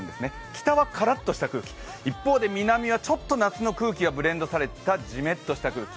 北はカラッとした空気、一方で南はちょっと夏の空気がブレンドされたじめっとした空気。